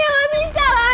ya gak bisa lah